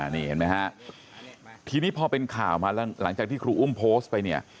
นี่เห็นไหมฮะทีนี้พอเป็นข่าวมาแล้วหลังจากที่ครูอุ้มโพสต์ไปเนี่ย